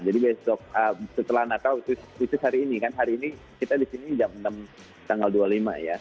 jadi besok setelah natal itu hari ini kan hari ini kita di sini jam enam tanggal dua puluh lima ya